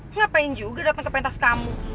ngapain juga datang ke pentas kamu